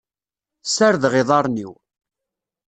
Ssardeɣ iḍarren-iw.